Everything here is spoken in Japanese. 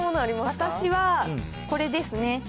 私は、これですね。